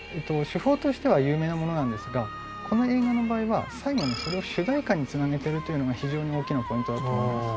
手法としては有名なものなんですがこの映画の場合は最後にそれを主題歌に繋げてるというのが非常に大きなポイントだと思います。